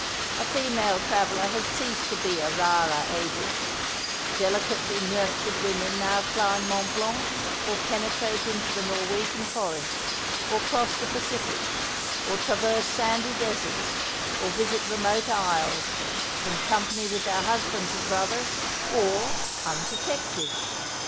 A female traveller has ceased to be a rara avis; delicately nurtured women now climb Mont Blanc or penetrate into the Norwegian forests, or cross the Pacific, or traverse sandy deserts, or visit remote isles, in company with their husbands and brothers, or "unprotected."